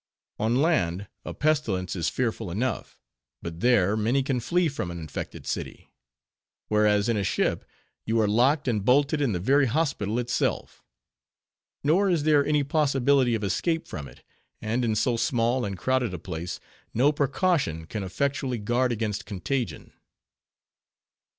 On land, a pestilence is fearful enough; but there, many can flee from an infected city; whereas, in a ship, you are locked and bolted in the very hospital itself. Nor is there any possibility of escape from it; and in so small and crowded a place, no precaution can effectually guard against contagion.